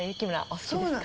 お好きですか？